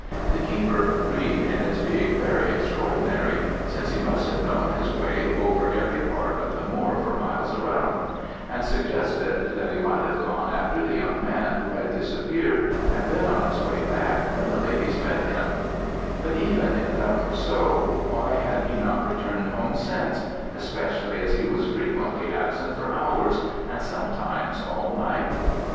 The keeper agreed in its being very extraordinary, since he must have known his way over every part of the moor for miles round; and suggested that he might have gone after the young man who had disappeared, and been on his way back, when the ladies met him; but, even if that were so, why had he not returned home since, especially as he was frequently absent for hours, and sometimes all night?